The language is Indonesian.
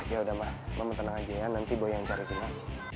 yaudah ma mama tenang aja ya nanti boy yang cari kinar